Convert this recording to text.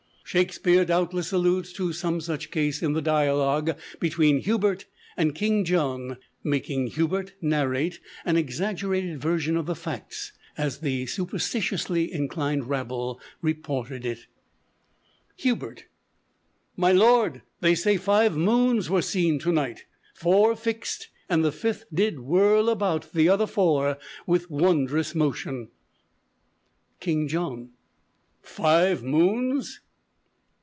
Shakespeare doubtless alludes to some such case in the dialogue between Hubert and King John, making Hubert narrate an exaggerated version of the facts, as the superstitiously inclined rabble reported it: Hubert. "My lord, they say five moons were seen to night; Four fixed; and the fifth did whirl about The other four with wondrous motion." King John. "Five moons?"